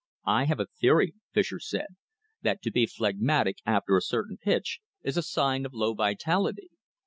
"I have a theory," Fischer said, "that to be phlegmatic after a certain pitch is a sign of low vitality.